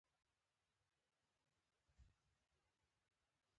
هغه د مينې خواته لاړ او هغې ته نږدې شو.